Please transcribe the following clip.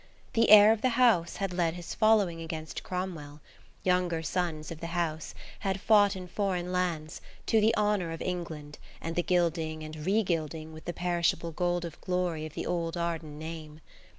The heir of the house had led his following against Cromwell; younger sons of the house had fought in foreign lands, to the honour of England and the gilding and regilding with the perishable gold of glory of the old Arden name.